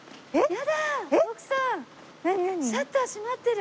やだ。